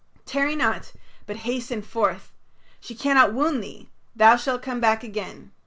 Tarry not but hasten forth; she cannot wound thee; thou shalt come back again."